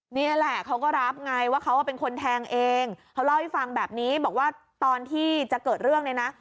นี่แหละเขาก็รับไงว่าเขาเป็นคนแทงเองเขาเล่าให้ฟังแบบนี้บอกว่าตอนที่จะเกิดเรื่องเนี่ยนะ